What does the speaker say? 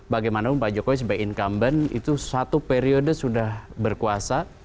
bagaimana pak jokowi sebagai incumbent itu satu periode sudah berkuasa